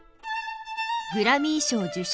グラミー賞受賞